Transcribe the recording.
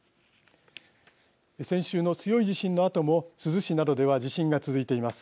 先週の強い地震のあとも珠洲市などでは地震が続いています。